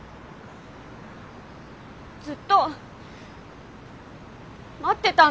ずっと待ってたんだよ。